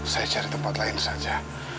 saya share tempat lain saja